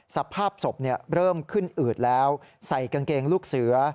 สภาพศพเริ่มขึ้นอืดแล้วใส่กางเกงลูกเสือ